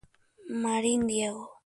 Marín, Diego.